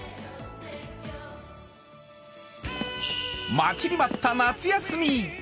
待ちに待った夏休み。